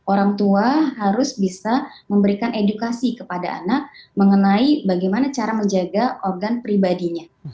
orang tua harus bisa memberikan edukasi kepada anak mengenai bagaimana cara menjaga organ pribadinya